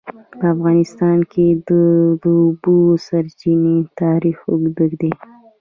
په افغانستان کې د د اوبو سرچینې تاریخ اوږد دی.